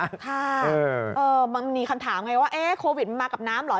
ค่ะมันมีคำถามไงว่าเอ๊ะโควิดมันมากับน้ำเหรอ